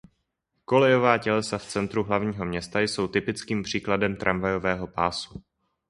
Kolejová tělesa v centru hlavního města jsou typickým příkladem tramvajového pásu.